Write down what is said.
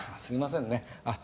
すみませんね。